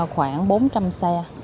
khoảng bốn trăm linh xe